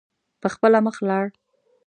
په خپله مخ لاړ.